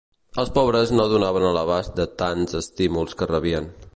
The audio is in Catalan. Els pobres no donaven a l'abast de tants estímuls que rebien.